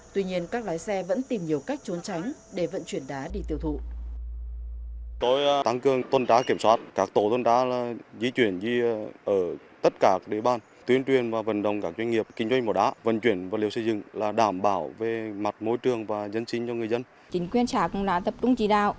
tuy nhiên các lái xe vẫn tìm nhiều cách trốn tránh để vận chuyển đá đi tiêu thụ